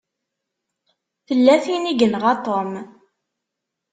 Tella tin i yenɣa Tom.